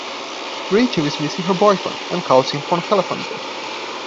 Rachel is missing her boyfriend, and calls him from a telephone booth.